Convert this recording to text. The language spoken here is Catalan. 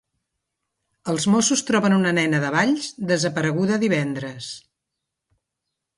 Els Mossos troben una nena de Valls, desapareguda divendres.